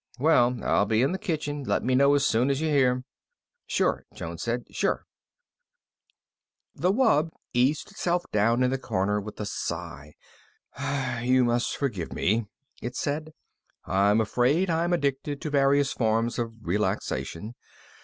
"Well, I'll be in the kitchen. Let me know as soon as you hear." "Sure," Jones said. "Sure." The wub eased itself down in the corner with a sigh. "You must forgive me," it said. "I'm afraid I'm addicted to various forms of relaxation.